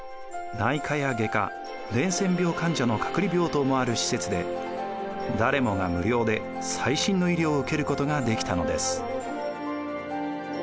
内科や外科伝染病患者の隔離病棟もある施設で誰もが無料で最新の医療を受けることができたのです。